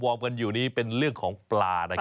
กันอยู่นี้เป็นเรื่องของปลานะครับ